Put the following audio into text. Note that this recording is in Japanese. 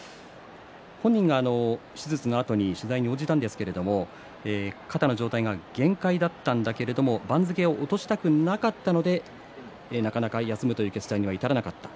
本人が手術のあと取材に応じましたが肩の状態は限界だったんだけれど番付を落としたくなかったのでなかなか休むという決断には至らなかった。